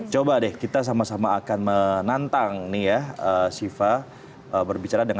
coba deh kita sama sama akan menantang nih ya siva berbicara dengan teman teman kita yang berada di cnn indonesia